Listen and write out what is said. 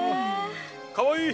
かわいい！